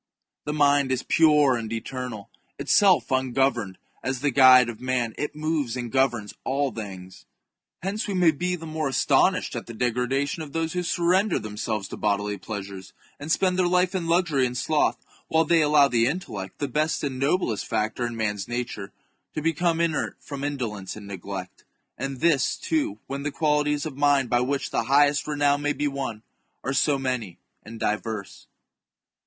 The mind is pure and eter nal ; itself ungoverned, as the guide of man, it moves and governs all things. Hence we may be the more astonished at the degradation of those who surrender themselves to bodily pleasures, and spend their life in luxury and sloth, while they allow the intellect, the best and noblest factor in man's nature, to become inert from indolence and neglect ; and this, too, when the qualities of mind by which the highest renown may be won, are so many and diverse.